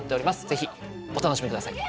ぜひお楽しみください。